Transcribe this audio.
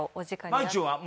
まいちゅんは？